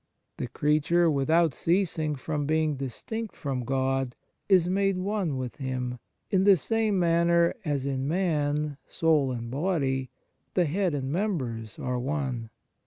The creature, without ceasing from being distinct from God, is made one with Him, in the same manner as in man soul and body, the head and members, are one.